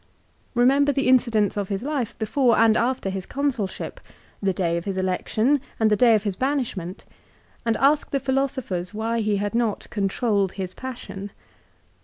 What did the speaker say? Remember the incidents of his life before and after his Consulship ; the day of his election and the day of his banishment, and ask the philosophers why he had not controlled his passion.